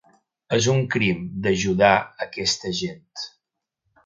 És un crim, d'ajudar aquesta gent.